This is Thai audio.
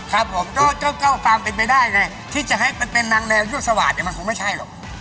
ครับผมก็ฟังเป็นไปได้ไงที่จะให้เป็นนางแมวยั่วสวาดมันคงไม่ใช่หรอก